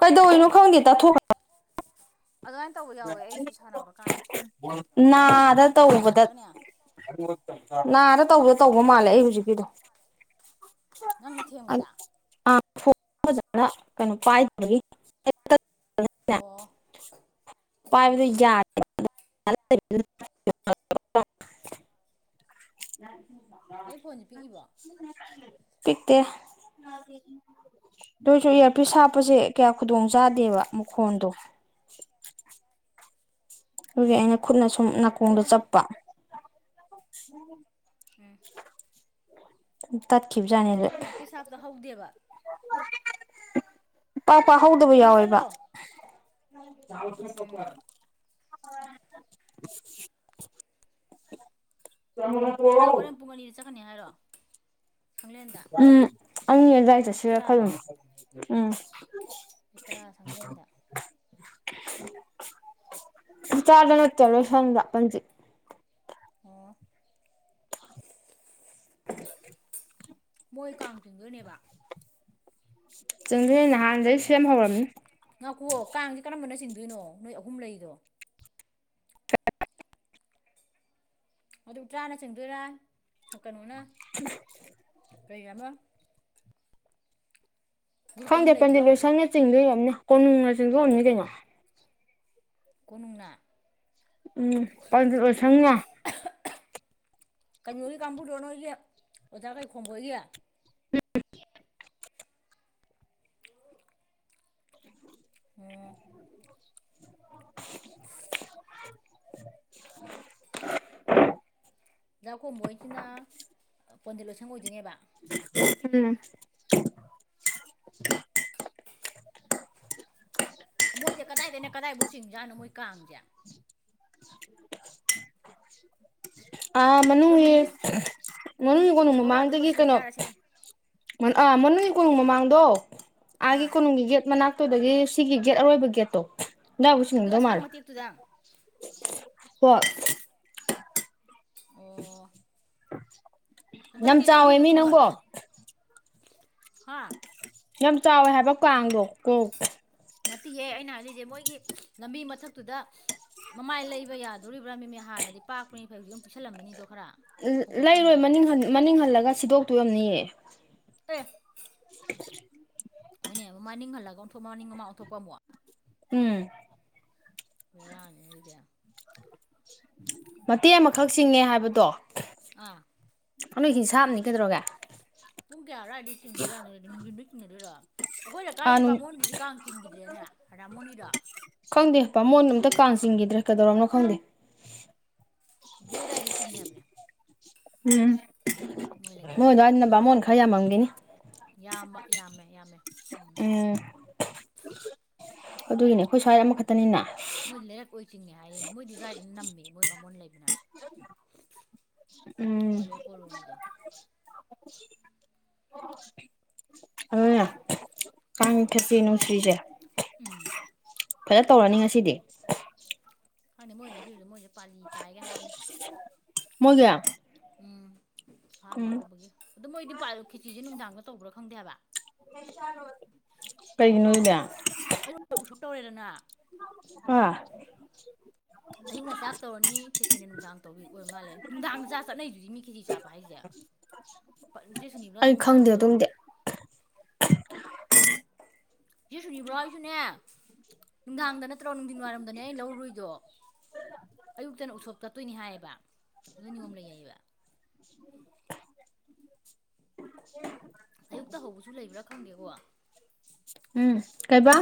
ꯀꯩꯗꯧꯔꯤꯅꫭ ꯈꯪꯗꯦ ꯇꯥꯊꫭꯛ ꯑꯗꯨꯃꯥꯏꯅ ꯇꯧꯕ ꯌꯥꯎꯋꯦ ꯑꯩꯁꯨ ꯁꯥꯟꯅꯕ ꯀꯥꯟꯗ ꯃꯤ ꯑꯍꯨꯝ ꯅꯥꯗ ꯑꯍꯨꯝ ꯇꯧꯕꯗ ꯁꯥꯟꯅꯔꯛꯑꯒꯅꯦ ꯅꯥꯔ ꯇꯧꯒꯦ ꯇꯧꯕ ꯃꯥꯜꯂꯦ ꯑꯩ ꯍꯧꯖꯤꯛꯀꯤꯗꯣ ꯅꯪꯅ ꯊꯦꯡꯕꯗ ꯐꯖꯅ ꯀꯩꯅꯣ ꯄꯥꯏꯗꯕꯒꯤ ꯑꯣ ꯄꯥꯏꯕꯗ ꯌꯥꯗ [inaudible] ꯑꯩ ꯐꯣꯟꯁꯦ ꯄꯤꯛꯏꯕꯣ ꯄꯤꯛꯇꯦ ꯅꯣꯏꯁꯨ ꯏꯌꯥꯔꯄꯤꯤꯁ ꯍꯥꯞꯄꯁꯦ ꯀꯌꯥ ꯈꯨꯗꯣꯡ ꯆꯥꯗꯦꯕ ꯃꯈꯣꯟꯗꯣ ꯑꯗꯨꯒꯤ ꯎꯝ ꯑꯩꯅ ꯈꯨꯠꯅ ꯁꯨꯝ ꯍꯟꯗꯣ ꯅꯥꯀꯣꯡꯗ ꯍꯟꯗꯣ ꯆꯠꯄ [inaudible] ꯑꯦ ꯇꯠꯈꯤꯕꯖꯥꯠꯅꯤꯗ ꯏꯌꯥꯔꯄꯤꯁ ꯍꯥꯞꯇ ꯍꯧꯗꯦꯕ ꯄꯥꯛ ꯄꯥꯛ ꯍꯧꯗꯕ ꯆꯦꯝꯃ ꯌꯥꯎꯋꯦꯕ ꯆꯠꯂꯣ ꯎꯝ [unintelligible] ꯅꯅꯥꯎ ꯍꯣꯔꯦꯟ ꯄꯨꯡ ꯑꯅꯤꯗ ꯆꯠꯀꯅꯤ ꯍꯥꯏꯔꯣ ꯈꯪꯂꯦꯟꯗ ꯎꯝ ꯑꯅꯤ ꯑꯗꯨꯋꯥꯏ ꯆꯠꯁꯤꯔ ꯈꯜꯂꯨ ꯎꯝ ꯇꯔꯥ ꯆꯪꯂꯦꯟꯗ ꯆꯥꯗꯅ ꯆꯔꯣ ꯁꯝꯗ ꯄ ꯑꯣ [inaudible] ꯃꯣꯏ ꯀꯥꯡ ꯆꯤꯡꯗꯣꯏꯅꯦꯕ ꯆꯪꯗ꯭ꯔꯔꯤꯅꯦ ꯅꯍꯥꯟꯗꯒꯤꯩ ꯁꯦꯝ ꯍꯧꯔꯝꯅꯤ ꯉꯥꯀꯣꯛ ꯀꯥꯡꯁꯤꯦ ꯀꯔꯝꯕꯅ ꯆꯤꯡꯗꯣꯏꯅꯣ ꯅꯣꯏ ꯑꯍꯨꯝ ꯂꯩꯔꯤꯗꯣ [unintelligible] ꯑꯗꯨ ꯇꯔꯥꯅ ꯆꯤꯡꯗꯣꯏꯔ ꯀꯩꯅꯣꯅ [inaudible] ꯀꯩ ꯍꯥꯏꯕ ꯒ꯭ꯔꯨꯞ ꯑꯍꯨꯝ ꯈꯪꯗꯦ ꯂꯩꯕꯗꯣ ꯄꯟꯗꯤꯠ ꯂꯣꯏꯁꯪꯅ ꯆꯤꯡꯗꯣ ꯌꯣꯝꯅꯤ ꯀꯣꯅꯨꯡꯅ ꯆꯤꯡꯗ ꯌꯝꯅꯤ ꯀꯩꯅꯣ ꯀꯣꯅꯨꯡꯅ ꯎꯝ ꯄꯥꯟꯖꯂꯣ ꯁꯪꯉꯣ ꯀꯩꯅꯣꯒꯤ ꯀꯥꯡꯕꯨꯗꯣ ꯅꯣꯏꯒꯤꯦ ꯑꯣꯖꯥ ꯀꯩ ꯈꯣꯝꯕꯣꯏꯒꯦ ꯎꯝ ꯑꯣꯝ ꯎꯈꯣꯕ ꯍꯁꯤꯅ ꯄꯣꯟꯗꯤꯜ ꯂꯣꯏꯁꯪ ꯑꯣꯏꯗꯣꯏꯅꯦꯕ ꯎꯝ ꯃꯣꯏꯁꯦ ꯀꯗꯥꯏꯗꯅꯦ ꯀꯗꯥꯏꯐꯥꯎ ꯆꯤꯡꯖꯥꯠꯅꯣ ꯃꯣꯏ ꯀꯥꯡꯁꯦ ꯑ ꯃꯅꯨꯡꯒꯤ ꯀꯣꯅꯨꯡꯗꯩ ꯃꯅꯨꯡꯒꯤ ꯀꯣꯅꯨꯡꯗꯩ ꯀꯣꯅꯨꯡ ꯆꯤꯡꯊꯣꯛꯑꯒ ꯑꯗꯨꯝ ꯃꯃꯥꯡꯗꯒꯤ ꯀꯩꯅꯣ ꯂꯣꯏꯁꯤꯜꯂꯤꯖꯥꯔ ꯁꯤꯅꯤ ꯑꯥ ꯃꯅꯨꯡꯒꯤ ꯀꯣꯅꯨꯡ ꯃꯃꯥꯡꯗꯣ ꯑꯥꯒꯤ ꯑꯥ ꯀꯣꯅꯨꯡꯒꯤ ꯌꯦꯒꯦꯠ ꯃꯅꯥꯛꯇ ꯠꯇꯨꯗꯒꯤ ꯁꯤꯒꯤ ꯒꯦꯠ ꯑꯔꯣꯏꯕ ꯒꯦꯠꯇꯣ ꯑꯗꯨꯗꯥꯏꯕꯨ ꯑꯗꯨ ꯆꯅꯤꯡꯗꯧ ꯑꯁꯥꯡ ꯃꯥꯜꯂꯦ ꯃꯇꯦꯛꯇꯨꯗ [unintelligible] ꯑꯣ ꯌꯥꯝ ꯍꯟꯗꯛꯇꯤ ꯆꯥꯎꯋꯦ ꯂꯝꯕꯤꯗꯨꯣ ꯃꯤ ꯅꯪꯕꯣ ꯊꯣꯡꯒꯠꯄ ꯍꯥ ꯌꯥꯝ ꯆꯥꯎꯋꯦ ꯍꯥꯏꯕ ꯀꯥꯡꯗꯣ ꯀꯣꯛ ꯅꯠꯇꯦꯍꯦ ꯑꯩꯅ ꯍꯥꯏꯅꯤꯡꯁꯦ ꯃꯣꯏꯒꯤ ꯂꯝꯕꯤ ꯃꯊꯛꯇꯨꯗ ꯃꯃꯥꯏ ꯂꯩꯕ ꯌꯥꯗꯣꯔꯤꯕ꯭ꯔꯥ ꯃꯦꯃꯤ ꯍꯥꯟꯅꯗꯤ ꯄꯥꯛꯄ꯭ꯔꯅꯤ ꯐꯩ ꯍꯧꯖꯤꯛ ꯑꯃꯨꯜ ꯄꯤꯁꯜꯂꯝꯕꯅꯤꯗꯣ ꯈꯔꯥ ꯂꯩꯔꯣꯏ ꯃꯅꯤꯡ ꯃꯅꯤꯡ ꯍꯜꯂꯒ ꯁꯤꯗꯣꯛꯇꯣꯏ ꯑꯣꯏꯔꯝꯅꯤꯌꯦ ꯇꯦ ꯍꯣꯏꯅꯦ ꯃꯅꯤꯡ ꯍꯜꯂꯒ ꯑꯣꯟꯊꯣꯛꯄ ꯃꯅꯤꯡ ꯃꯃꯥꯡ ꯑꯣꯟꯊꯣꯛꯄ ꯑꯃꯨꯛ ꯎꯝ ꯕꯔꯅꯤ ꯑꯗꯨꯗ‌ꯦ ꯃꯇꯦꯛ ꯑꯃꯈꯛ ꯆꯤꯡꯉꯦ ꯍꯥꯏꯕꯗꯣ ꯑꯥ [unintelligible] ꯀꯩꯗꯧꯔꯒꯦ ꯄꯨꯡ ꯀꯌꯥ ꯑꯔꯋꯥꯏꯗ ꯆꯤꯟꯗꯣꯏꯔꯅꯣ ꯅꯨꯡꯤꯟꯗ ꯆꯤꯡꯟꯅꯗꯣꯏꯔꯣ ꯑꯩꯈꯣꯏ ꯑꯥ ꯂꯩꯀꯥꯏꯒꯤ ꯅꯨꯡ ꯕꯥꯃ‌ꯣꯟꯗꯤ ꯀꯥꯡ ꯇꯤꯟꯈꯤꯗ꯭ꯔꯦꯅꯦ ꯍꯥꯔꯥꯃꯣꯅꯤꯗꯣ ꯈꯪꯗꯦ ꯚꯥꯃ‌ꯣꯟꯅ ꯑꯝꯇ ꯀꯥꯡ ꯆꯤꯡꯈꯤꯗ꯭ꯔ ꯀꯩꯗꯧꯔꯕꯝꯅꯣ ꯈꯪꯗꯦ ꯄꯨ ꯑꯗꯋꯥꯏꯗꯤ ꯆꯤꯡꯉꯦ ꯍꯥꯏꯕꯅꯦ ꯎꯝ ꯃꯣꯏ ꯑꯗꯋꯥꯏ ꯕꯥꯃꯣꯟ ꯈꯔ ꯌꯥꯝꯃꯝꯒꯅꯤ ꯌꯥꯝꯕ ꯌꯥꯝꯃꯦ ꯌꯥꯝꯃꯦ [unintelligible] ꯑꯗꯨꯒꯤꯅꯦ ꯑꯩꯈꯣꯏ ꯁ꯭ꯋꯥꯏꯗ ꯑꯃꯈꯛꯇꯅꯤꯅ ꯃꯣꯏꯗꯤ ꯂꯩꯔꯛ ꯑꯣꯏ ꯆꯤꯡꯉ ꯍꯥꯏꯔꯤꯅꯦ ꯃꯣꯏꯗꯤ ꯑꯗꯨꯗꯥꯋꯥꯏꯗꯅ ꯅꯝꯃꯤ ꯃꯣꯏ ꯕꯥꯃꯣꯟ ꯂꯩꯕꯅ ꯎꯝ ꯃꯣꯏ ꯂꯩꯔꯛ ꯀꯣꯂꯣꯅꯤꯗꯣ [unintelligible] ꯥ ꯈ‌ꯦꯆꯤ ꯕꯥꯃꯣꯟ ꯅꯨꯡꯁꯤꯔꯤꯁꯦ ꯎꯝ ꯐꯖ ꯇꯧꯔꯅꯤ ꯉꯁꯤꯗꯤ ꯈꯪꯗꯦ ꯃꯣꯏ ꯉꯁꯤꯁꯨ ꯃꯣꯏꯁꯨꯦ ꯄꯥꯂꯤ ꯇꯥꯏꯒꯦ ꯍꯥꯏꯕꯅꯤ [unintelligible] ꯃꯣꯏꯒꯤ ꯎꯝ ꯑꯍꯝꯕ ꯎꯝ ꯍꯧꯕꯒꯤ ꯑꯗꯨ ꯃꯣꯏꯗꯤ [unintelligible] ꯈ‌ꯦꯆꯤꯁꯤ ꯅꯨꯡꯗꯥꯡꯗ ꯇꯧꯕ꯭ꯔꯥ ꯈꯪꯗꯦꯕ ꯀꯩꯒꯤꯅꯣ ꯑꯩꯌꯨꯛ ꯎ ꯁꯣꯞ ꯇꯧꯔꯦꯗꯅ ꯑꯣ ꯑꯌꯨꯛꯅ ꯆꯥꯛ ꯇꯧꯔꯅꯤ ꯈꯦꯖꯤꯅ ꯅꯨꯡꯗꯥꯡ ꯇꯧꯔꯤ ꯑꯣꯏꯔ ꯃꯥꯜꯂꯦ ꯅꯨꯡꯗꯥꯡꯗ ꯆꯥ ꯆꯠꯅꯩꯗꯨꯗꯤ ꯃꯤ ꯈꯦꯖꯤ ꯆꯥꯕ ꯍꯥꯏꯁꯦ [unintelligible] ꯄ ꯆ‌ꯦꯁꯨꯅꯤꯕ꯭ꯔꯥ ꯁ ꯑꯩ ꯅꯨꯡꯗꯥꯡ ꯈꯪꯗꯦ ꯑꯗꯨꯝꯗꯤ ꯇꯧꯔꯤꯗꯨꯗꯤ ꯁꯤ ꯁꯨꯅꯤꯕ꯭ꯔꯣ ꯑꯩꯁꯨꯅꯦ ꯅꯨꯡꯗꯥꯡꯗ ꯅꯠꯇ꯭ꯔꯣ ꯅꯨꯡꯊꯤꯟ ꯋꯥꯏꯔꯝꯗꯅꯦ ꯑꯩ ꯂꯧꯔꯨꯏꯗꯣ ꯑꯌꯨꯛꯇꯅ ꯎꯁꯣꯞ ꯆꯠꯇꯣꯏꯅꯤ ꯍꯥꯏꯌꯦꯕ ꯑꯗꯨꯏ ꯅꯣꯏ ꯅꯤꯌꯣꯝ ꯂꯩꯌꯦꯕ ꯑꯌꯨꯛꯇ ꯍꯧꯕꯁꯨ ꯂꯩꯕ꯭ꯔꯥ ꯈꯪꯗꯦꯀꯣ ꯎꯝ ꯀꯩꯕꯥ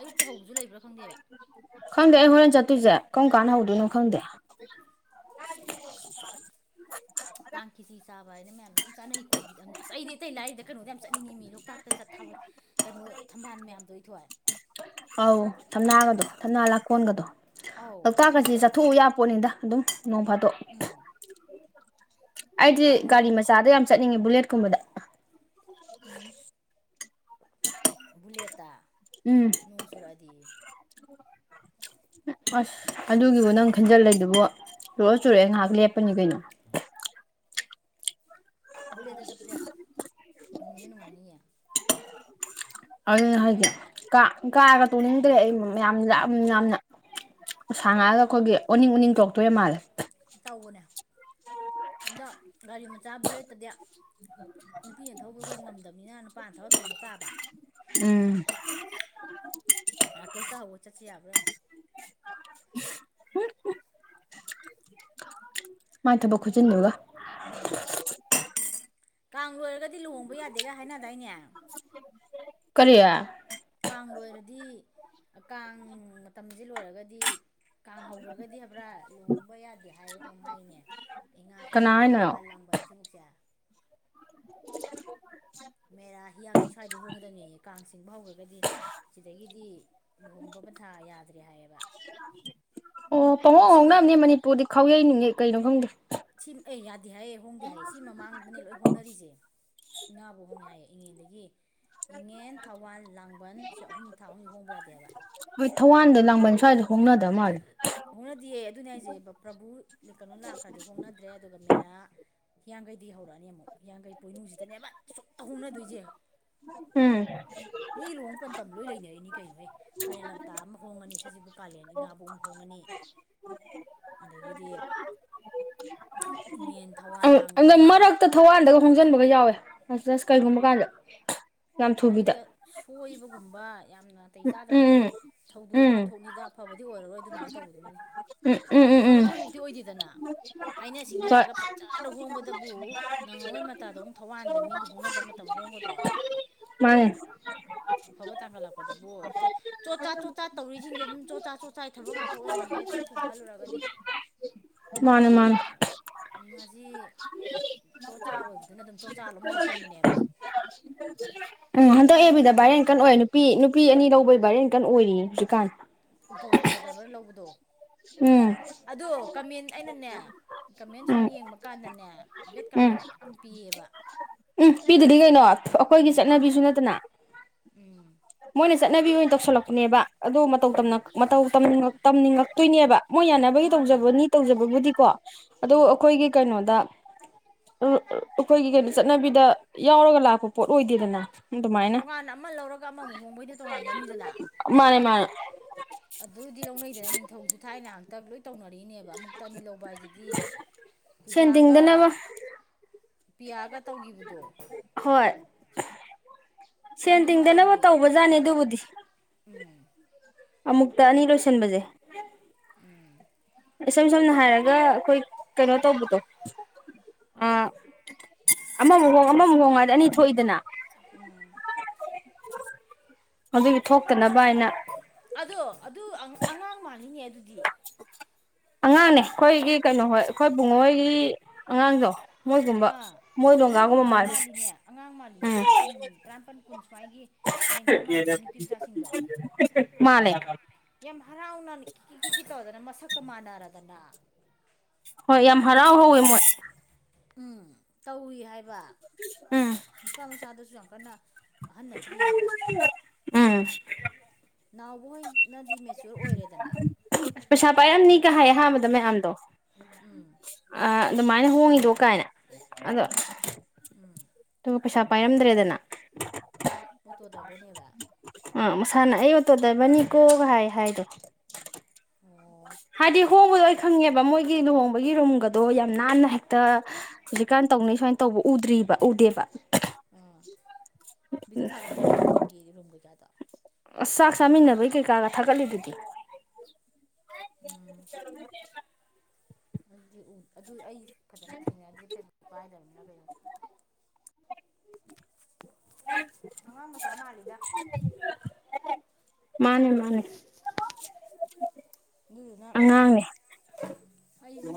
ꯑꯌꯨꯛꯇ ꯍꯧꯕꯁꯨ ꯂꯩꯕ꯭ꯔꯥ ꯈꯪꯗꯦꯕ ꯈꯪꯗꯦ ꯑꯩ ꯍꯣꯔꯦꯟ ꯆꯠꯇꯣꯏꯁꯦ ꯀꯔꯝ ꯀꯥꯟꯅ ꯍꯧꯗꯣꯏꯅꯣ ꯈꯪꯗꯦ ꯀꯥꯡ ꯀꯤꯁꯤ ꯆꯥꯕ ꯍꯥꯏꯅ ꯃꯌꯥꯝꯁꯦ ꯑꯗꯨꯝ ꯆꯥꯅꯩꯀꯣ ꯕꯤꯗ ꯑꯝ ꯑꯁꯗꯤ ꯑꯇꯩ ꯂꯥꯏꯔꯤꯏꯗ ꯀꯩꯅꯣꯗ ꯌꯥꯝ ꯆꯠꯅꯤꯡꯉꯤ ꯃꯤ ꯂꯣꯛꯇꯥꯛꯇ ꯆꯠꯊꯕ ꯀꯩꯅꯣ ꯊꯝꯕꯥꯜ ꯃꯌꯥꯝꯗꯣ ꯏꯊꯣꯏ ꯑꯧ ꯊꯝꯅꯥꯒꯗꯣ ꯊꯝꯅꯥ ꯂꯥꯛꯀꯣꯟꯒꯗꯣ ꯑꯧ ꯂꯣꯛꯇꯥꯛꯀꯁꯤ ꯆꯠꯅꯤꯡꯗ꯭ꯔꯣ ꯆꯠꯊꯣꯛꯎ ꯌꯥ ꯄꯣꯠꯅꯤꯗ ꯑꯗꯨꯝ ꯅꯣꯡ ꯐꯗꯣ [unintelligible] ꯑꯩꯗꯤ ꯀꯥꯡ ꯒꯥꯔꯤ ꯃꯅꯨꯡ ꯃꯆꯥꯗ ꯌꯥꯝ ꯆꯠꯅꯤꯡꯉꯦ ꯕꯨꯂꯦꯠꯀꯨꯝꯕꯗ ꯎꯝ ꯕꯨꯂꯦꯠꯇꯥ ꯎꯝ ꯅꯣꯡ ꯆꯨꯔꯛꯑꯗꯤ ꯑꯥꯁ ꯑꯗꯨꯒꯤꯕꯨ ꯅꯪ ꯈꯟꯖꯜꯂꯤꯗꯨꯕꯨ ꯆꯨꯔ ꯆꯨꯔꯛꯑꯦ ꯉꯥꯏꯍꯥꯛ ꯂꯦꯞꯄꯅꯤ ꯀꯩꯅꯣ ꯕꯨꯂꯦꯠꯇ ꯆꯄꯁꯦ ꯅꯨꯡꯗꯤ ꯅꯨꯡꯉꯥꯏꯅꯤꯌꯦ ꯑꯗꯨꯅ ꯍꯥꯏꯗꯤ ꯑꯩꯅ ꯀꯥꯔꯒ ꯇꯣꯡꯅꯤꯡꯗ꯭ꯔꯦ ꯑꯩ ꯌꯥꯝ ꯌꯥꯝ ꯌꯥꯝꯅ ꯁꯥꯡꯉꯥꯛꯑꯥꯒ ꯑꯩꯈꯣꯏꯒꯤ ꯑꯣꯅꯤꯡ ꯑꯣꯅꯤꯡ ꯇꯣꯛꯇꯣꯏꯔ ꯃꯥꯜꯂꯦ ꯇꯧꯕꯅꯦ ꯑꯗꯣ ꯒꯥꯔꯤ ꯃꯆꯥ ꯕꯨꯂꯦꯠꯇꯗꯤ ꯅꯨꯄꯤ ꯑꯩ ꯊꯧꯗꯤ ꯑꯩꯈꯣꯏꯗꯤ ꯉꯝꯗꯕꯅꯤꯅ ꯅꯨꯄꯥꯅ ꯊꯧꯔ ꯇꯣꯡ ꯇꯥꯕ ꯎꯝ ꯔꯥꯀꯦꯁꯇ ꯍꯪꯉꯨ ꯆꯠꯁꯤ ꯌꯥꯕ꯭ꯔꯥ ꯌꯦꯡꯎ ꯃꯥ ꯊꯕꯛ ꯈꯨꯖꯤꯟꯗꯨꯒ ꯎꯝ ꯀꯥꯡ ꯂꯣꯏꯔꯒꯗꯤ ꯂꯨꯍꯣꯡꯕ ꯌꯥꯗꯦꯒ ꯍꯥꯏꯅꯗꯥꯏꯅꯦ ꯀꯔꯤ ꯀꯥꯡ ꯂ‌ꯣꯏꯔꯗꯤ ꯀꯥꯡ ꯃꯇꯝꯁꯤ ꯂꯣꯏꯔꯒꯗꯤ ꯀꯥꯡꯍꯧꯈ꯭ꯔꯒꯗꯤ ꯍꯥꯏꯕ꯭ꯔꯥ ꯂꯨꯍꯣꯡꯕ ꯌꯥꯗꯦ ꯍꯥꯏꯕ ꯀꯩꯅꯝ ꯍꯥꯏꯅꯦ ꯏꯉꯥ ꯀꯅꯥ ꯏꯉꯦꯟ ꯍꯥꯏꯅꯣ ꯊꯧꯋꯥꯜ ꯂꯥꯡꯕꯜ ꯁꯤꯕꯨꯛꯁꯦ ꯃꯦꯔꯥ ꯍꯤꯌꯥꯡꯒꯩ ꯑꯗꯨꯋꯥꯏꯗꯤ ꯍꯣꯡꯗꯉꯌꯦ ꯀꯥꯡ ꯆꯤꯡꯕ ꯍꯧꯔꯒꯗꯤ ꯁꯤꯗꯒꯤꯗꯤ ꯂꯨꯍꯣꯡꯕ ꯄꯟꯊꯥ ꯌꯥꯗ꯭ꯔꯦ ꯍꯥꯏꯌꯦꯕ ꯑꯣ ꯑꯗꯨꯅ ꯄꯥꯎꯍꯣꯡ ꯁꯤ ꯃꯃꯥ ꯍꯣꯡꯅꯕꯅꯦ ꯃꯅꯤꯄꯨꯔꯗꯤ ꯈꯥꯎ ꯌꯩ [unintelligible] ꯀꯩꯅꯣ ꯈꯪꯗꯦ ꯁꯤ ꯑꯦ ꯌꯥꯗꯦ ꯍꯥꯏꯑꯌꯦ ꯍꯣꯡꯗꯦ ꯍꯥꯏꯑꯌꯦ ꯁꯤ ꯃꯃꯥꯡꯗꯅꯦ ꯂꯣꯏ ꯍꯣꯡꯅꯔꯤꯁꯦ ꯏꯉꯥꯕꯧ ꯍꯣꯡꯉꯦ ꯍꯥꯏꯌꯦ ꯏꯉꯦꯜꯗꯒꯤ ꯏꯉꯦꯟ ꯊꯧꯋꯥꯜ ꯂꯥꯡꯕꯟ ꯁꯤ ꯑꯍꯨꯝ ꯊꯥ ꯑꯍꯨꯝ ꯍꯣꯡꯕ ꯌꯥꯗꯦꯕ ꯍꯣꯏ ꯊꯧꯋꯥꯟꯗ ꯂꯥꯡꯕꯟ ꯁ꯭ꯋꯥꯏꯗ ꯍꯣꯡꯅꯗꯕ ꯃꯥꯜꯂꯦ ꯍꯣꯡꯅꯗꯌꯦꯦ ꯑꯗꯨꯅꯦ ꯍꯥꯏꯁꯦ ꯄ꯭ꯔꯚꯨ ꯀꯩꯅꯣ ꯂꯥꯛꯈ꯭ꯔꯗꯤ ꯍꯣꯡꯅꯗ꯭ꯔꯦ ꯑꯗꯨꯒ ꯃꯦꯔꯥ ꯍꯤꯡꯈꯩꯗꯤ ꯍꯧꯔꯛꯑꯅꯤ ꯑꯃꯨꯛ ꯍꯤꯡꯈꯩ ꯄꯣꯏꯅꯨꯡꯁꯤꯗꯅꯦꯕ ꯆꯨꯞꯅ ꯍꯧꯅꯗꯣꯏꯁꯦ ꯎꯝ ꯃꯤ ꯂꯨꯍꯣꯡ ꯃꯇꯝ ꯂꯣꯏ ꯂꯩꯅꯔꯤꯅꯤ ꯀꯩꯅꯣꯍꯦ ꯐꯥꯏꯔꯦꯜ ꯂꯝꯇꯥ ꯑꯃ ꯍꯣꯡꯉꯅꯤ ꯁꯖꯤꯕꯨ ꯀꯥꯂꯦꯟ ꯏꯉꯥꯕꯧ ꯑꯃ ꯍꯣꯡꯉꯅꯤ [unintelligible] ꯑꯗꯒꯤꯗꯤ ꯏꯉꯦꯟ ꯊꯋꯥꯟ ꯑꯗ ꯂꯥꯡꯕꯟ ꯃꯦꯔꯥ ꯃꯔꯛꯇ ꯊꯧꯋꯥꯟꯗꯒ ꯍꯣꯡꯖꯤꯟꯕꯒ ꯌꯥꯎꯋꯦ ꯑꯁ ꯀꯔꯤꯒꯨꯝꯕ ꯀꯥꯟꯗ ꯌꯥꯝ ꯑꯗꯨꯗꯤ ꯊꯨꯕꯤꯗ ꯁꯣꯏꯕꯒꯨꯝꯕ ꯌꯥꯝ ꯅꯥꯇꯩ ꯆꯥꯗꯕ ꯎꯝ ꯎꯝ ꯊꯧꯗꯣꯛ ꯎꯝ ꯋꯥꯊꯣꯛꯅꯤꯗ ꯐꯕꯗꯤ ꯑꯣꯏꯔꯔꯣꯏ ꯑꯗꯨꯃꯥꯏꯅ ꯇꯧꯕꯗꯨꯃꯅꯤ ꯎꯝ ꯎꯝ ꯎꯝ ꯎꯝ ꯗꯤ ꯑꯣꯏꯗꯦꯗꯅ ꯍꯥꯏꯅ ꯍꯣꯏ ꯁꯤꯡꯅꯔꯒ ꯐꯖꯅ ꯍꯣꯡꯕꯗꯕꯨ ꯅꯪꯍꯧꯔꯣꯏ ꯃꯇꯥꯗꯧ ꯊꯧꯋꯥꯟꯗ ꯃꯤꯒꯤ ꯍꯣꯡꯅꯗꯕ ꯃꯇꯝ ꯍꯣꯡꯒꯗ꯭ꯔꯣ ꯃꯥꯅꯦ ꯑꯐꯕ ꯇꯀ ꯂꯥꯛꯄꯗꯕꯣꯆ‌ꯣꯠ ꯆꯣꯠ ꯆꯥꯠ ꯆꯣꯠ ꯆꯥꯠ ꯇꯧꯔꯤꯁꯤꯡꯁꯦ ꯑꯗꯨꯝ ꯆꯣꯠ ꯆꯥꯠ ꯆꯣꯠ ꯆꯥꯏ ꯊꯕ ꯉꯥꯛꯇ ꯑꯣꯏꯔꯝꯃꯤꯗꯩ ꯑꯩꯈꯣꯏ ꯁꯨꯝ ꯈꯜꯂꯨꯔꯒꯗꯤ ꯃꯥꯅꯦ ꯃꯥꯅꯦ ꯎ ꯉꯁꯤ ꯆꯣꯆꯥ ꯑꯣꯏꯕꯗꯨꯅ ꯑꯗꯨꯝ ꯆꯣꯆꯥ ꯑꯗꯨꯝ ꯂꯣꯏꯁꯟꯕꯅꯦꯕ [unintelligible] ꯎꯝ ꯍꯟꯗꯛ ꯍꯣꯡꯕ ꯑꯦꯕꯤꯗ ꯍꯥꯏꯁꯦ ꯚꯥꯏꯔꯦꯟ ꯑꯗꯨꯝ ꯀꯟ ꯑꯣꯏ ꯅꯨꯄꯤ ꯅꯨꯄꯤ ꯑꯅꯤ ꯂꯧꯕꯩ ꯚꯥꯏꯔꯦꯟ ꯀꯟ ꯑꯣꯏꯔꯤꯅꯦ ꯍꯧꯖꯤꯛꯀꯥꯟ ꯑꯣꯇꯣ ꯑꯣꯇꯣ ꯗ꯭ꯔꯥꯏꯚꯔ ꯂꯧꯕꯗꯣ ꯎꯝ ꯑꯣ ꯀꯃꯟ ꯑꯩꯅꯅꯦ ꯀꯃꯦꯟ ꯁꯨꯝ ꯎꯝ ꯌꯦꯡꯕ ꯀꯥꯟꯗꯅꯦ ꯕꯦꯠ ꯎꯝ ꯀꯃꯦꯟꯅꯥ ꯌꯥꯝ ꯄꯤꯌꯦꯕ ꯎꯝ ꯄꯤꯗꯗꯤ ꯀꯩꯅꯣ ꯑꯩꯈꯣꯏꯒꯤ ꯆꯠꯅꯕꯤꯁꯨ ꯅꯠꯇꯅ ꯎꯝ ꯃꯣꯏꯅ ꯆꯠꯅꯕꯤ ꯑꯣꯏꯅ ꯇꯧꯁꯜꯂꯛꯄꯅꯦꯕ ꯑꯗꯣ ꯎꯝ ꯃꯇꯧ ꯇꯝꯅꯤꯡꯉꯛꯇꯣꯏꯅꯦꯕ ꯃꯣꯏ ꯌꯥꯅꯕꯒꯤ ꯃꯥꯅꯦ ꯇꯧꯖꯕꯅꯤ ꯇꯧꯖꯕꯕꯨꯗꯤꯀꯣ ꯎꯝ ꯑꯩꯈꯣꯏꯒꯤ ꯑꯗꯣ ꯀꯩꯅꯣꯗ ꯑꯩꯈꯣꯏꯒꯤ ꯀꯩꯅꯣ ꯆꯠꯅꯕꯤꯗ ꯌꯥꯎꯔꯒ ꯂꯥꯛꯄ ꯄꯣꯠ ꯑꯣꯏꯗꯦꯗꯅ ꯑꯗꯨꯃꯥꯏꯅ ꯇꯣꯉꯥꯟꯅ ꯑꯃ ꯂꯧꯔꯒ ꯑꯃꯃꯨꯛ ꯍꯣꯡꯕꯩꯩꯅ ꯇꯣꯉꯥꯟꯕ ꯃꯤꯗꯅ ꯃꯥꯅꯦ ꯃꯥꯅꯦ ꯑꯗꯨꯗꯤ ꯂꯧꯅꯩꯗꯅ ꯅꯤꯡꯊꯧꯖꯨ ꯊꯥꯏꯅ ꯉꯥꯛꯇ ꯂꯣꯏ ꯇꯧꯅꯔꯤꯅꯦꯕ ꯑꯃꯨꯛ ꯇꯅꯤ ꯂꯧꯕ ꯍꯥꯏꯁꯤꯗꯤ ꯁꯦꯟ ꯄꯨꯖꯥꯒ ꯇꯤꯡꯗꯅꯕ ꯄꯤꯌꯥꯒ ꯇꯧꯒꯤꯕꯗꯣ ꯍꯣꯏ ꯁꯦꯟ ꯇꯤꯡꯗꯅꯕ ꯇꯧꯕꯖꯥꯠꯅꯤ ꯑꯗꯨꯕꯨꯗꯤ ꯎꯝ ꯑꯃꯨꯛꯇ ꯑꯅꯤ ꯂꯣꯏꯁꯟꯕꯁꯦ ꯎꯝ ꯏꯁꯝ ꯁꯝꯅ ꯍꯥꯏꯔꯒ ꯑꯩꯈꯣꯏ ꯀꯩꯅꯣ ꯇꯧꯕꯗꯣ ꯑꯥ ꯑꯃꯃꯨꯛ ꯍꯣꯡ ꯑꯃꯃꯨꯛ ꯍꯣꯡ ꯍꯥꯏꯗꯤ ꯑꯅꯤ ꯊꯣꯛꯏꯗꯅ ꯎꯝ ꯑꯗꯨꯒꯤ ꯊꯣꯛꯇꯅꯕ ꯍꯥꯏꯅ ꯑꯗꯣ ꯑꯗꯨ ꯑꯉꯥꯡ ꯃꯥꯟꯂꯤꯅꯦ ꯑꯗꯨꯗꯤ ꯑꯉꯥꯡꯅꯦ ꯑꯩꯈꯣꯏꯒꯤ ꯀꯩꯅꯣꯍꯣꯏ ꯑꯩꯈꯣꯏ ꯄꯨꯡꯉꯣꯏꯒꯤ ꯑꯉꯥꯡꯗꯣ ꯃꯣꯏ ꯀꯨꯝꯕ ꯑꯥ ꯃꯣꯏꯅꯣꯡꯒꯒꯨꯝꯕ ꯃꯣꯏꯒꯨꯝꯕ ꯃꯥ ꯃꯥꯜꯂꯤꯅꯦ ꯑꯉꯥꯡ ꯃꯥꯜꯂꯤꯅꯦ ꯆꯍꯤ ꯀꯨꯟ ꯇꯔꯥꯃꯥꯄꯜ ꯀꯨꯟ ꯁ꯭ꯋꯥꯏꯒꯤ ꯂꯦꯡꯒꯥ ꯃꯥꯜꯂꯤꯅꯦ ꯅꯨꯄꯤ ꯃꯆꯥꯁꯤꯡꯗꯣ ꯎꯝ ꯃꯥꯅꯦ ꯌꯥꯝ ꯍꯔꯥꯎꯅ ꯀꯤꯁꯤ ꯇꯧꯗꯅ ꯃꯁꯛꯀ ꯃꯥꯟꯅꯔꯗꯅ ꯍꯣꯏ ꯌꯥꯝ ꯍꯔꯥꯎ ꯍꯧꯋꯦ ꯃꯣꯏ ꯎꯝ ꯇꯧꯏ ꯍꯥꯏꯕ ꯎꯝ ꯅꯨꯄꯥ ꯃꯆꯥꯗꯨꯁꯨ ꯌꯥꯝ ꯀꯟꯅ ꯑꯍꯟꯅꯗ꯭ꯔꯤ ꯍꯥꯏꯕ ꯎꯝ ꯅꯥꯎꯕ ꯍꯣꯏꯅꯗꯤ ꯃꯦꯆꯣꯔ ꯑꯣꯏꯔꯦꯗꯅ ꯄꯩꯁꯥ ꯄꯥꯏꯔꯝꯅꯤꯒ ꯍꯥꯏ ꯑꯍꯥꯟꯕꯗ ꯃꯌꯥꯝꯗꯣ ꯎꯝ ꯑ ꯑꯗꯨꯃꯥꯏꯅ ꯍꯣꯡꯉꯤꯗꯣ ꯀꯥꯏꯅ ꯑꯗꯣ ꯎꯝ ꯑꯗꯨꯒ ꯄꯩꯁꯥ ꯄꯥꯏꯔꯝꯗ꯭ꯔꯦꯗꯅ ꯑꯣꯇꯣꯗ꯭ꯔꯕꯅꯦꯕ ꯑꯥ ꯃꯁꯥꯅ ꯑꯩ ꯑꯣꯇꯣ ꯗꯕꯔꯅꯤꯀꯣꯒ ꯍꯥꯏ ꯍꯥꯏꯗꯣ ꯑꯣ ꯍꯥꯏꯗꯤ ꯍꯣꯡꯕꯗꯣ ꯑꯩ ꯈꯪꯉꯦꯕ ꯃꯣꯏꯒꯤ ꯂꯨꯍꯣꯡꯕꯒꯤ ꯔꯨꯝꯒꯗꯣ ꯌꯥꯝ ꯅꯥꯟꯅ ꯍꯦꯛꯇ ꯍꯧꯖꯤꯛꯀꯥꯟ ꯇꯧꯅꯩ ꯁꯨꯃꯥꯏꯅ ꯇꯧꯕ ꯎꯗ꯭ꯔꯤꯕ ꯎꯗꯦꯕ ꯑꯥ ꯚꯕꯤꯗꯣ ꯊꯥꯒꯠꯂꯛꯄꯣ ꯑꯍꯣꯡꯕꯒꯤ ꯔꯨꯝ ꯀꯩꯀꯥꯗꯣ ꯑꯁ ꯆꯥꯛ ꯆꯥꯃꯤꯟꯅꯕꯩ ꯀꯩꯀꯥꯒ ꯊꯥꯒꯠꯂꯤꯗꯨꯗꯤ ꯎꯝ ꯑꯗꯨꯗꯤ ꯎ ꯑꯗꯨ ꯑꯩ ꯐꯖꯅ ꯊꯦꯡꯅꯗ꯭ꯦ ꯐꯦꯁꯕꯨ ꯄꯥꯏꯗꯕꯅꯤꯅ ꯀꯩꯅꯣꯗ ꯑꯉꯥꯡ ꯃꯆꯥ ꯃꯥꯜꯂꯤꯗ ꯃꯥꯅꯦ ꯃꯥꯅꯦ ꯑꯗꯨꯗꯨꯅ ꯑꯉꯥꯡꯅꯦ ꯑꯩꯁꯦ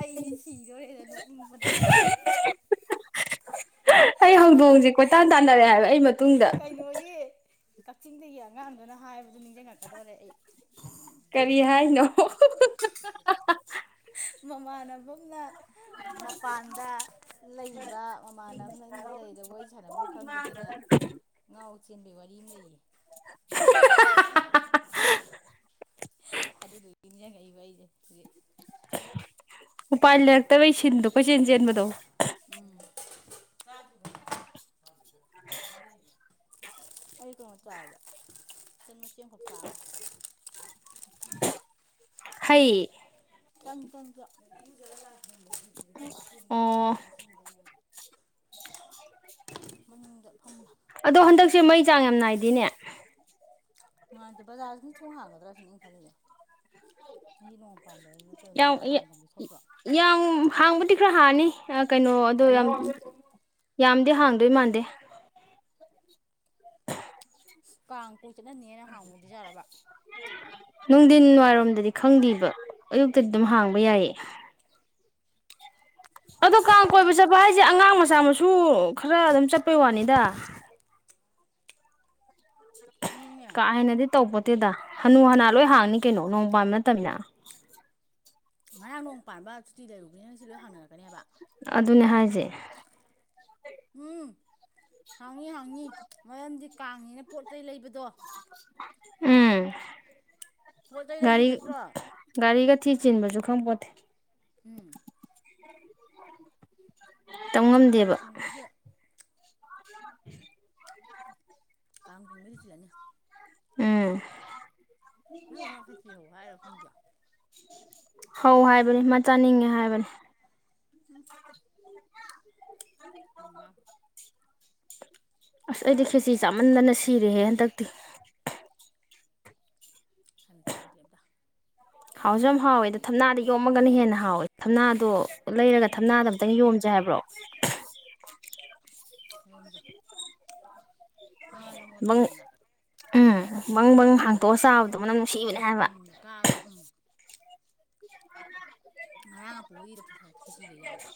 ꯑꯩꯗꯤ ꯁꯤꯗꯣꯔꯦꯗ ꯅꯣꯛꯅꯤꯡꯕꯅ ꯑꯩ ꯍꯧꯗꯣꯡꯁꯦ ꯀꯣꯏꯇꯥꯟ ꯇꯥꯟꯅꯔꯦ ꯍꯥꯏꯕ ꯑꯩ ꯃꯇꯨꯡꯗ ꯀꯩꯅꯣꯒꯤ ꯀꯛꯆꯤꯡꯗꯒꯤ ꯑꯉꯥꯡꯗꯨꯅ ꯍꯥꯏꯕꯗꯨ ꯅꯤꯡꯁꯤꯡꯉꯛꯀꯗꯧꯔꯦ ꯑꯩ ꯀꯔꯤ ꯍꯥꯏꯅꯣ ꯃꯃꯥꯟꯅꯕꯝꯅ ꯃꯄꯥꯟꯗ ꯂꯩꯕ ꯃꯃꯥꯟꯅꯕꯅ ꯂꯩ ꯁꯥꯟꯅꯐꯝ ꯈꯪꯗꯗꯅ ꯉꯥꯎ ꯆꯦꯟꯕꯒꯤ ꯋꯥꯔꯤ ꯑꯃ ꯂꯩꯌꯦ ꯑꯗꯨꯗꯨꯒꯤ ꯅꯤꯡꯖꯡꯉꯛꯢꯕ ꯑꯩꯁꯦ ꯍꯧꯖꯤꯛ ꯎꯄꯥꯏ ꯂꯩꯔꯛꯇꯕꯩ ꯁꯤꯟꯗꯣ ꯀꯣꯏꯆꯦꯟ ꯆꯦꯟꯕꯗꯣ ꯎꯝ ꯑꯩ ꯀꯩꯅꯣ ꯆꯥꯕꯩꯅ ꯃꯆꯦ ꯑꯃꯈꯛ ꯆꯥꯕ ꯍꯩ ꯇ ꯇ ꯑꯣ ꯃꯅꯨꯡꯗꯅꯤꯡ ꯐꯕ ꯑꯗꯣ ꯍꯟꯗꯛꯁꯦ ꯃꯩ ꯆꯥꯡ ꯌꯥꯝ ꯅꯥꯏꯗꯦꯅꯦ ꯉꯅꯨꯡꯉꯥꯟꯗꯤꯦ ꯕꯖꯥꯔꯁꯤꯅ ꯊꯣꯡ ꯍꯥꯡꯒꯗ꯭ꯔꯁꯤꯅꯦ ꯈꯜꯂꯤꯁ ꯆꯍꯤ ꯅꯣꯡ ꯄꯥꯟꯕ ꯅ ꯌꯥꯝ ꯍꯥꯡꯕꯗꯤ ꯈꯔ ꯍꯥꯡꯅꯤ ꯀꯩꯅꯣ ꯑꯗꯣ ꯌꯥꯝ ꯌꯥꯝꯗꯤ ꯍꯥꯡꯗꯣꯏ ꯃꯥꯟꯗꯦ ꯀꯥꯡ ꯀꯣꯛ ꯆꯠꯅꯅꯦꯅ ꯍꯥꯡꯅꯗꯤ ꯌꯥꯔꯕ ꯅꯨꯡꯊꯤꯟ ꯋꯥꯏꯔꯣꯝꯗꯗꯤ ꯈꯪꯗꯦꯕ ꯑꯌꯨꯛꯇꯗꯤ ꯑꯗꯨꯝ ꯍꯥꯡꯕ ꯌꯥꯏꯌꯦ ꯑꯗꯣ ꯑꯩꯗꯣ ꯀꯥꯡ ꯀꯣꯏꯕ ꯆꯠꯄ ꯍꯥꯏꯁꯦ ꯑꯉꯥꯡ ꯃꯆꯥ ꯃꯁꯨ ꯈꯔ ꯑꯗꯨꯝ ꯆꯠꯄꯩ ꯋꯥꯅꯤꯗ ꯑꯗꯨꯅꯦ ꯀꯥ ꯍꯦꯟꯅꯗꯤ ꯇꯧꯕꯄꯣꯠꯇꯦꯗ ꯍꯅꯨ ꯍꯅꯥ ꯂꯣꯏ ꯍꯥꯡꯅꯤ ꯀꯩꯅꯣ ꯅꯣꯡ ꯄꯥꯟꯕꯝ ꯅꯠꯇꯃꯤꯅ ꯉꯔꯥꯡ ꯅꯣꯡ ꯄꯥꯟꯕ ꯁꯨꯇꯤ ꯂꯩꯔꯨꯕꯅꯦ ꯉꯁꯤ ꯂꯣꯏ ꯍꯥꯡꯅꯔꯛꯀꯅꯦ ꯍꯥꯢꯕ ꯑꯗꯨꯅꯦ ꯍꯥꯏꯁꯦ ꯎꯝ ꯍꯥꯡꯏꯤ ꯍꯥꯡꯉ ꯃꯔꯝꯗꯤ ꯀꯥꯡꯉꯤꯅ ꯄꯣꯠ ꯆꯩꯩ ꯂꯩꯕꯗꯣ ꯎꯝ ꯄꯣꯠ ꯆꯩ ꯂꯩꯗꯣꯏ ꯒꯔꯤ ꯅꯠꯇ꯭ꯔꯣ ꯒꯥꯔꯤꯒ ꯊꯤ ꯆꯤꯟꯕꯁꯨ ꯈꯪ ꯄꯣꯠꯇꯦ ꯎꯝ ꯀꯥꯡ ꯇꯝꯉꯝꯗꯦꯕ ꯆꯤꯡꯕꯗꯤ [unintelligible] ꯀꯥꯡ ꯆꯥꯡꯕꯩꯗꯤ ꯆꯤꯟꯂꯅꯤ ꯎꯝ ꯍꯣꯏ ꯈꯦꯆꯔꯤ ꯍꯧ ꯍꯥꯏꯔꯣ ꯈꯪꯗꯣ ꯍꯧ ꯍꯥꯏꯕꯅꯦ ꯃꯥ ꯆꯥꯅꯤꯡꯉꯦ ꯍꯥꯏꯕꯅꯦ ꯍꯝ ꯑꯁ ꯑꯩꯗꯤ ꯈꯦꯆꯤ ꯆꯥꯃꯟꯗꯅ ꯁꯤꯔꯦꯍꯦ ꯍꯟꯗꯛꯇꯤ ꯍꯥꯏꯅ ꯆꯥꯗ꯭ꯦ ꯑꯝꯇ ꯍꯥꯎꯁꯨ ꯌꯥꯝ ꯍꯥꯎꯌꯦ ꯑꯗꯨꯝ ꯊꯝꯅꯥꯗ ꯌꯣꯝꯃꯒꯅ ꯍꯦꯟꯅ ꯍꯥꯎꯋꯦ ꯊꯝꯅꯥꯗꯣ ꯂꯩꯔꯒ ꯊꯝꯅꯥꯗ ꯑꯝꯇꯪ ꯌꯣꯝꯁꯩ ꯍꯥꯏꯕ꯭ꯔꯣ ꯌꯣꯝꯖꯦ ꯍꯪꯉꯥ ꯌꯣꯝꯃꯒ ꯪ ꯕꯪ ꯊꯝꯃꯦꯗꯅ ꯎꯝ ꯕꯪ ꯕꯤ ꯍꯥꯡꯇꯣꯛꯑ ꯆꯥꯕꯗꯣ ꯃꯅꯝ ꯅꯨꯡꯁꯤꯕꯅꯦ ꯎꯝ ꯍꯥꯏꯕ ꯃꯅꯤꯜꯒ ꯀꯔꯥꯒ ꯎ ꯉꯔꯥꯡ ꯑꯄꯣꯒꯤꯗ ꯄ꯭ꯔꯁꯥ ꯈꯦꯖꯤꯒ ꯌꯥꯎꯕ꯭ꯔꯥ